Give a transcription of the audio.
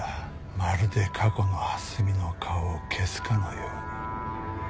まるで過去の蓮見の顔を消すかのように。